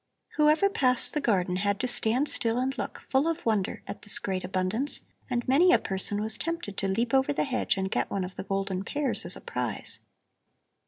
Whoever passed the garden had to stand still and look, full of wonder, at this great abundance, and many a person was tempted to leap over the hedge and get one of the golden pears as a prize.